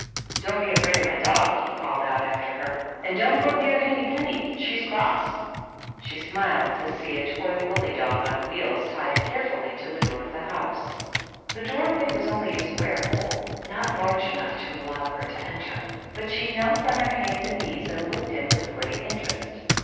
" Don't be afraid of my dog !" he called out after her. " And don't go near Henny Penny ; she's cross." She smiled to see a toy woolly dog on wheels tied carefully to the door of the house. The door way was only a square hole, not large enough to allow her to enter ; but she knelt on her hands and knees, and looked in with great interest.